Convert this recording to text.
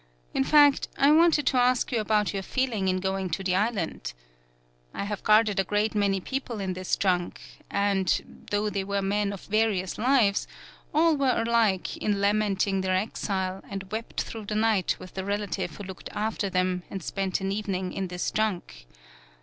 In fact, I wanted to ask you about your feeling in going to the island. I have guarded a great many people in this junk, and, though they were men of various lives, all were 11 PAULOWNIA alike in lamenting their exile and wept through the night with the relative who looked after them and spent an evening in this junk.